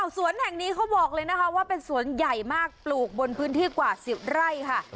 สวนแห่งนี้เขาบอกเลยนะคะว่าเป็นสวนใหญ่มากปลูกบนพื้นที่กว่า๑๐ไร่ค่ะ